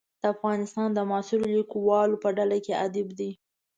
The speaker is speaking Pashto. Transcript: د افغانستان د معاصرو لیکوالو په ډله کې ادیب دی.